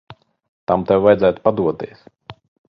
Tam tev vajadzētu padoties.